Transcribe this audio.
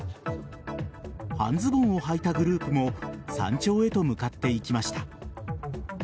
半ズボンをはいたグループも山頂へと向かっていきました。